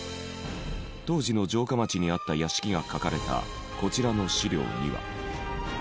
当時の城下町にあった屋敷が描かれたこちらの資料には。